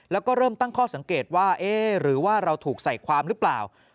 แล้วก็เริ่มตั้งข้อสังเกตว่าเอ๊ะหรือว่าเราถูกใส่ความหรือเปล่า